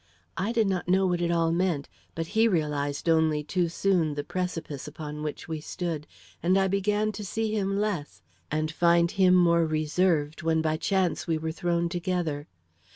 I did not know what it all meant; but he realized only too soon the precipice upon which we stood, and I began to see him less, and find him more reserved when, by any chance, we were thrown together.